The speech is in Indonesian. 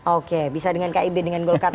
oke bisa dengan kib dengan golkar ya